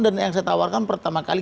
dan yang saya tawarkan pertama kali